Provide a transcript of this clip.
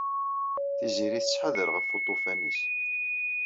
Tiziri tettḥadar ɣef uṭufan-is.